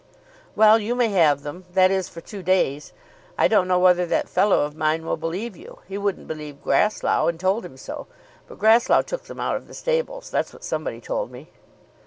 "Well, you may have them; that is, for two days. I don't know whether that fellow of mine will believe you. He wouldn't believe Grasslough, and told him so. But Grasslough took them out of the stables. That's what somebody told me."